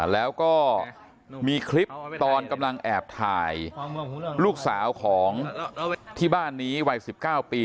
แล้วก็มีคลิปตอนกำลังแอบถ่ายลูกสาวของที่บ้านนี้วัย๑๙ปี